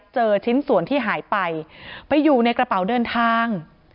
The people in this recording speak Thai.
ชิ้นส่วนที่หายไปไปอยู่ในกระเป๋าเดินทาง